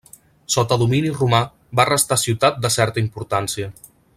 Sota domini romà va restar ciutat de certa importància.